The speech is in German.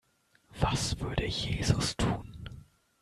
Was würde Jesus tun?